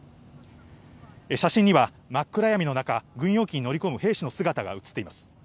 写真には真っ暗闇の中、軍用機に乗り込む兵士の姿が映っています。